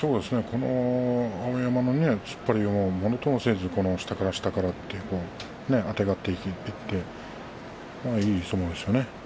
碧山の突っ張りをものともせず、下から下からあてがっていっていい相撲でしたね。